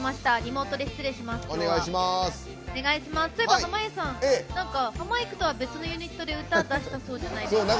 濱家さん、ハマいくとは別のユニットで歌を出したそうじゃないですか。